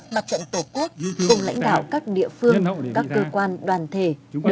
mặt trận tổ quốc cùng lãnh đạo các địa phương các cơ quan đoàn thể